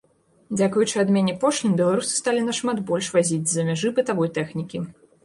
Дзякуючы адмене пошлін беларусы сталі нашмат больш вазіць з-за мяжы бытавой тэхнікі.